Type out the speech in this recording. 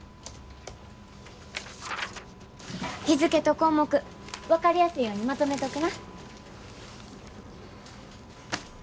日付と項目分かりやすいようにまとめとくな。